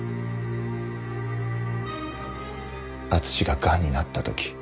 敦ががんになった時。